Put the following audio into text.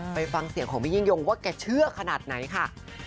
ไปฟังเสียงของพี่ยิ่งยงว่าแกเชื่อขนาดไหนค่ะ